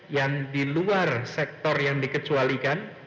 yang di luar sektor yang dikecualikan